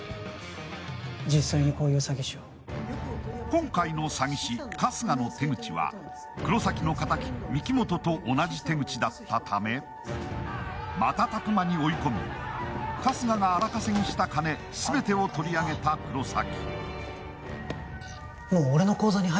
今回の詐欺師・春日の手口は黒崎の敵、御木本と同じ手口だったため瞬く間に追い込み、春日が荒稼ぎした金全てを取り上げた黒崎。